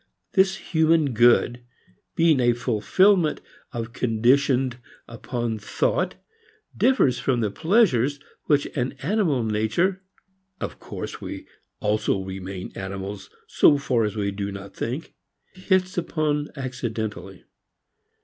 This human good, being a fulfilment conditioned upon thought, differs from the pleasures which an animal nature of course we also remain animals so far as we do not think hits upon accidentally.